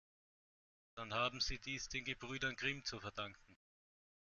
Dann haben Sie dies den Gebrüdern Grimm zu verdanken.